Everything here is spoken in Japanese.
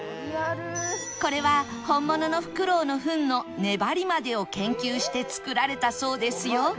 これは本物のフクロウのフンの粘りまでを研究して作られたそうですよ